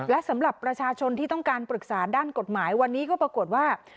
และสำหรับประชาชนที่ต้องการปรึกษาด้านกฎหมายวันนี้ก็ปรากฏว่า